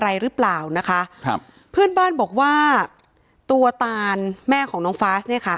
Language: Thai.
อะไรหรือเปล่านะคะครับเพื่อนบ้านบอกว่าตัวตานแม่ของน้องฟาสเนี่ยค่ะ